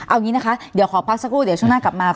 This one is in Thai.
เอาอย่างนี้นะคะเดี๋ยวขอพักสักครู่เดี๋ยวช่วงหน้ากลับมา